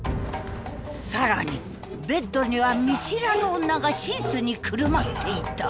更にベッドには見知らぬ女がシーツにくるまっていた。